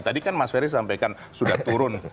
tadi kan mas ferry sampaikan sudah turun